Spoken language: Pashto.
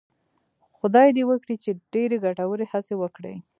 خدای دې وکړي چې ډېرې ګټورې هڅې وکړي.